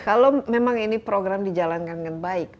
kalau memang ini program dijalankan dengan baik